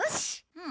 うん。